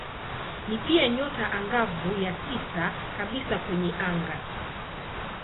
Ni pia nyota angavu ya sita kabisa kwenye anga.